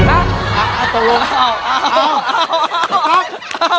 อะไรบ้าง